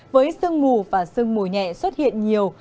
với sương mù và sương mù nhẹ xuất hiện nhiều